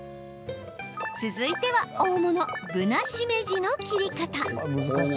続いては、大物ぶなしめじの切り方。